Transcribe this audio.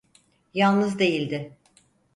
Yalnız değildi.